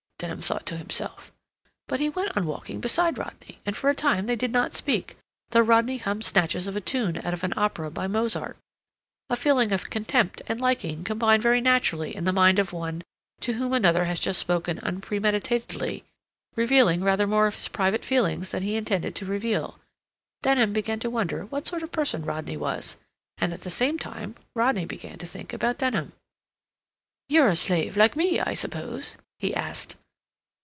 Denham thought to himself. But he went on walking beside Rodney, and for a time they did not speak, though Rodney hummed snatches of a tune out of an opera by Mozart. A feeling of contempt and liking combine very naturally in the mind of one to whom another has just spoken unpremeditatedly, revealing rather more of his private feelings than he intended to reveal. Denham began to wonder what sort of person Rodney was, and at the same time Rodney began to think about Denham. "You're a slave like me, I suppose?" he asked.